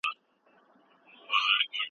د مېګرین له امله کار کمزوری کېږي.